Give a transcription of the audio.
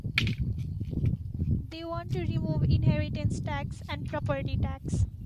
They want to remove inheritance tax and property tax.